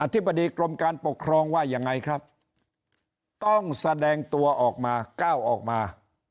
ธิบดีกรมการปกครองว่ายังไงครับต้องแสดงตัวออกมาก้าวออกมา